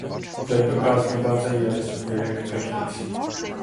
Վեպը կազմված է երեսուներեք գլխից։